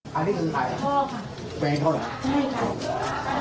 เขารอหรือเปล่า